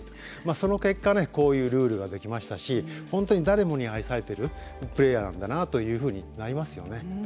その結果、こういうルールができましたし本当に誰もに愛されているプレーヤーなんだなというふうになりますよね。